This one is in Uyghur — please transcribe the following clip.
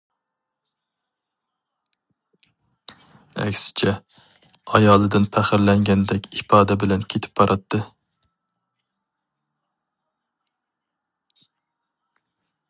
ئەكسىچە، ئايالىدىن پەخىرلەنگەندەك ئىپادە بىلەن كېتىپ باراتتى.